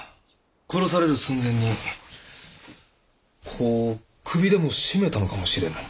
殺される寸前にこう首でも絞めたのかもしれぬ。